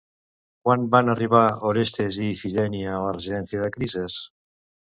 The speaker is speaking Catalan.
Quan van arribar Orestes i Ifigènia a la residència de Crises?